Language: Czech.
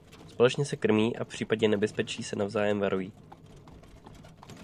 Společně se krmí a v případě nebezpečí se navzájem varují.